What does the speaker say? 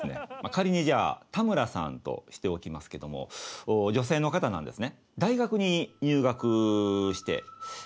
仮にじゃあ田村さんとしておきますけども女性の方なんですね。